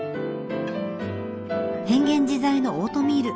変幻自在のオートミール